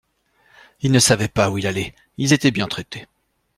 Il ne savait pas où il allait. Ils étaient bien traités